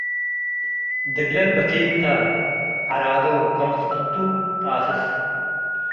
ድግለል በኪትተ ዐራዶ ከመጽአቱ ጣስሰ